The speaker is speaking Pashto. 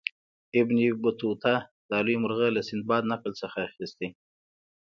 ابن بطوطه دا لوی مرغه له سندباد نکل څخه اخیستی.